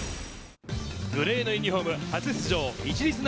グレーのユニホーム、初出場・市立